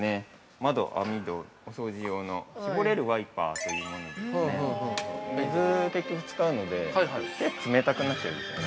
窓、網戸お掃除用の絞れるワイパーというもので水、結局使うので手が冷たくなっちゃうんですよね。